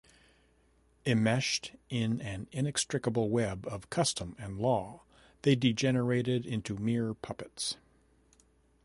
Enmeshed in an inextricable web of custom and law, they degenerated into mere puppets.